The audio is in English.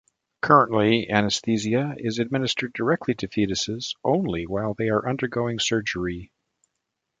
Currently, anesthesia is administered directly to fetuses only while they are undergoing surgery.